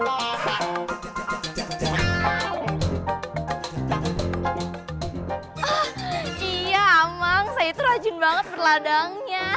oh iya amang saya itu rajin banget berladangnya